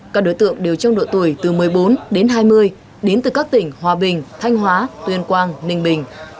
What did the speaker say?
các đối tượng đều trong độ tuổi từ một mươi bốn đến hai mươi đến từ các tỉnh hòa bình thanh hóa tuyên quang ninh bình